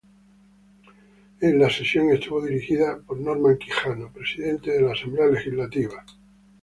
La sesión estuvo dirigida por Norman Quijano, presidente de la Asamblea Legislativa.